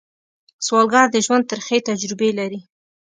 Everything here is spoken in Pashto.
سوالګر د ژوند ترخې تجربې لري